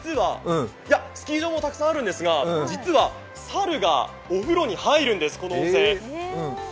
スキー場もたくさんあるんですが実は猿がお風呂に入るんです、この温泉。